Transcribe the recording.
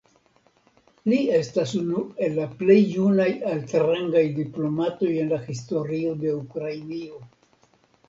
Li estas unu el la plej junaj altrangaj diplomatoj en la historio de Ukrainio.